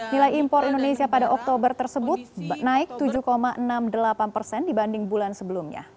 nilai impor indonesia pada oktober tersebut naik tujuh enam puluh delapan persen dibanding bulan sebelumnya